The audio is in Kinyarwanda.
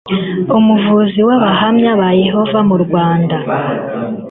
umuvugizi w'abahamya ba yehova mu rwanda